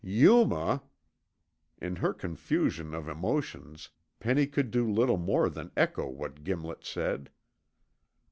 "Yuma?" In her confusion of emotions Penny could do little more than echo what Gimlet said.